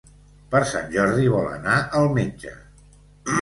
Per Sant Jordi vol anar al metge.